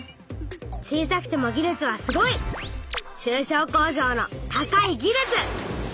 小さくても技術はすごい！「中小工場の高い技術」！